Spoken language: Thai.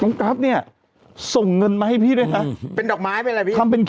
กราฟเนี่ยส่งเงินมาให้พี่ด้วยนะเป็นดอกไม้เป็นอะไรพี่ทำเป็น